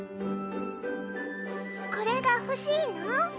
これが欲しいの？